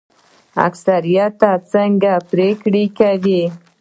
اکثریت څنګه پریکړه کوي؟